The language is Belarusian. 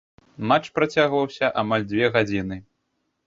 Матч працягваўся амаль дзве гадзіны.